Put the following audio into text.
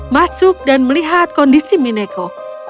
masuk dan melihat kondisi mineko